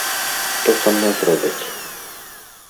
Што са мной зробяць?